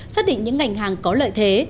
xác định những ngành hàng có lợi thế